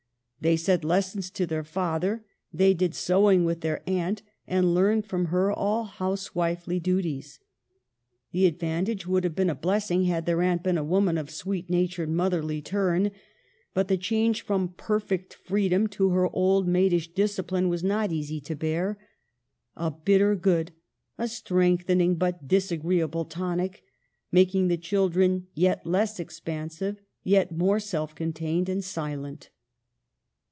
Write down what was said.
They said lessons to their father, they did sewing with their aunt, and learned from her all housewifely duties. The advantage would have been a blessing had their aunt been a woman of sweet natured, motherly turn ; but the change from perfect freedom to her old maidish discipline was not easy to bear — a bitter good, a strengthen ing but disagreeable tonic, making the children yet less expansive, yet more self contained and silent.